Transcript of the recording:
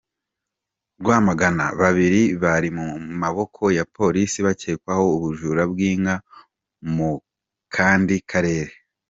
Rwamagana : Babiri bari mu maboko ya Polisi bakekwaho ubujura bw’inka mu kandi karere